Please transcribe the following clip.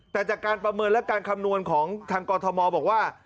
แต่จากการประเมินและการคำนวณของทางกรทมบอกว่า